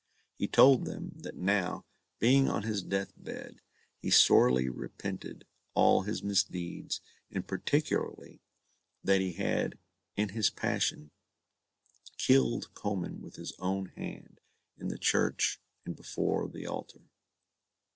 He told them, that now, being on his death bed, he sorely repented all his misdeeds, and particularly, that he had, in his passion, killed Comyn with his own hand, in the church and before the altar.